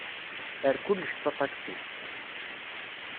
Err kullec s aṭaksi.